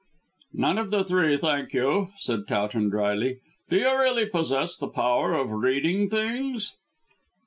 "None of the three, thank you," said Towton drily. "Do you really possess the power of reading things?"